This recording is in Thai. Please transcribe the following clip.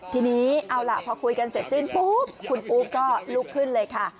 ทีนี้เอาล่ะพอคุยกันเสร็จสิ้นปุ๊บคุณอู๊บก็ลุกขึ้นเลยค่ะ